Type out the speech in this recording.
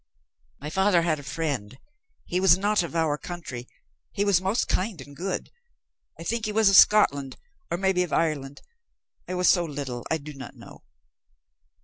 "My father had a friend. He was not of our country, and he was most kind and good. I think he was of Scotland or maybe of Ireland; I was so little I do not know.